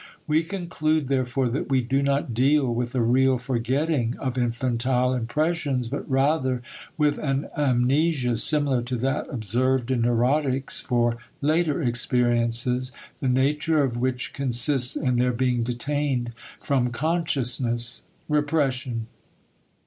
We conclude therefore that we do not deal with a real forgetting of infantile impressions but rather with an amnesia similar to that observed in neurotics for later experiences, the nature of which consists in their being detained from consciousness (repression).